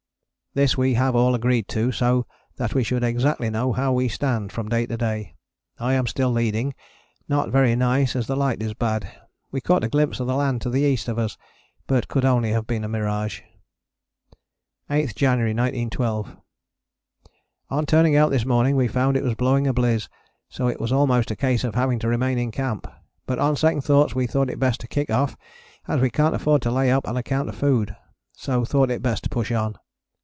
This we have all agreed to so that we should exactly know how we stand, from day to day. I am still leading, not very nice as the light is bad. We caught a glimpse of the land to the east of us, but could only have been a mirage. 8th January 1912. On turning out this morning we found it was blowing a bliz. so it was almost a case of having to remain in camp, but on second thoughts we thought it best to kick off as we cant afford to lay up on account of food, so thought it best to push on.